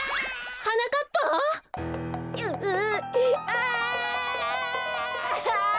はなかっぱ？ううああ！